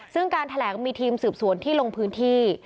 ซึ่งการแถลงมีทีมสืบสวนที่ลงพื้นที่